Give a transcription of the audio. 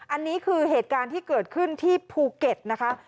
อันนี้คือเหตุการณ์ที่เกิดขึ้นที่ภูเก็ตนะคะ